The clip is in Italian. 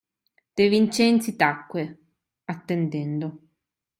De Vincenzi tacque, attendendo.